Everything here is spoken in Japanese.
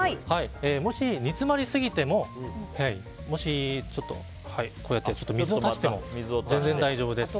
もし、煮詰まりすぎてもちょっと水を足しても全然大丈夫です。